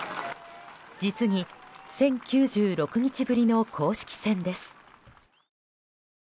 実に１０９６日ぶりの公式戦です。